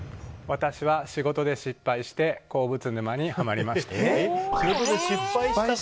私は仕事で失敗して鉱物沼にハマりました。